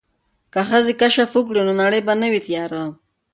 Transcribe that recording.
که ښځې کشف وکړي نو نړۍ به نه وي تیاره.